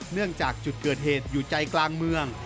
เนื่องจากจุดเกิดเหตุอยู่ใจกลางเมือง